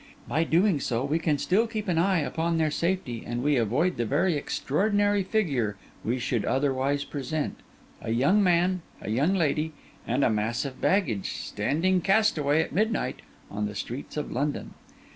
By doing so, we can still keep an eye upon their safety, and we avoid the very extraordinary figure we should otherwise present—a young man, a young lady, and a mass of baggage, standing castaway at midnight on the streets of London.